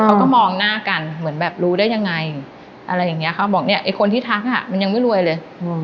เขาก็มองหน้ากันเหมือนแบบรู้ได้ยังไงอะไรอย่างนี้ค่ะบอกเนี่ยไอ้คนที่ทักอ่ะมันยังไม่รวยเลย